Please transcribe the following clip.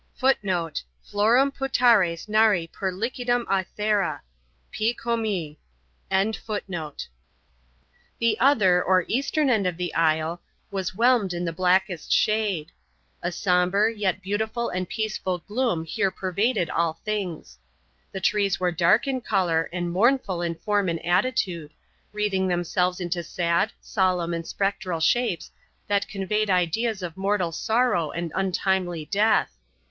(*4) The other or eastern end of the isle was whelmed in the blackest shade. A sombre, yet beautiful and peaceful gloom here pervaded all things. The trees were dark in color, and mournful in form and attitude, wreathing themselves into sad, solemn, and spectral shapes that conveyed ideas of mortal sorrow and untimely death.